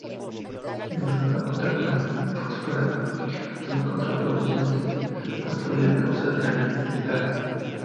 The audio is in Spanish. Es bueno acotar que las bases azucaradas son contraproducentes, pues podrían causar caries dental.